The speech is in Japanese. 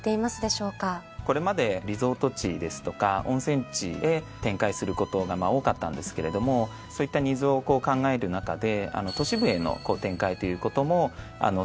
これまでリゾート地ですとか温泉地へ展開することが多かったんですけれどもそういったニーズを考える中で都市部への展開ということも進めてきております。